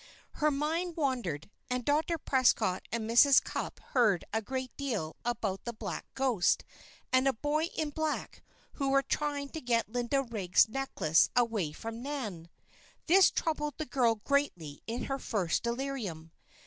Her mind wandered, and Dr. Prescott and Mrs. Cupp heard a great deal about a "black ghost" and a "boy in black" who were trying to get Linda Riggs' necklace away from Nan. This troubled the girl greatly in her first delirium.